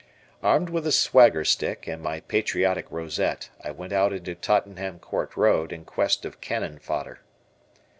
Armed with a swagger stick and my patriotic rosette I went out into Tottenham Court Road in quest of cannon fodder.